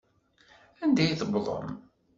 Anda i tewwḍem?